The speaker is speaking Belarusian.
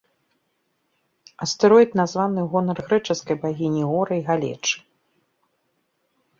Астэроід названы ў гонар грэчаскай багіні гора і галечы.